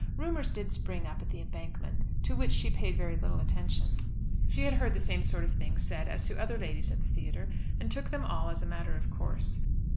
Rumours did spring up at "The Embankment" to which she paid very little attention. She had heard the same sort of things said as to other ladies at the theatre, and took them all as a matter of course.